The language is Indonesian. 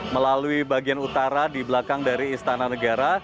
melalui bagian utara di belakang dari istana negara